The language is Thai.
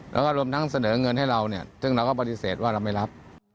แล้วก็รวมทั้งเสนอเงินให้เราเนี่ยซึ่งเราก็ปฏิเสธว่าเราไม่รับ